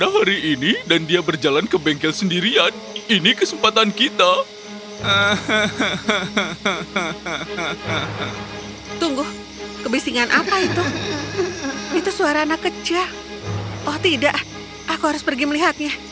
oh tidak aku harus pergi melihatnya